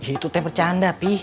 itu teh bercanda pi